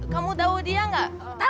kamu tau dia gak